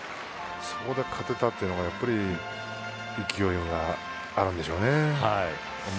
そこで勝てたというのが勢いがあるんでしょうね。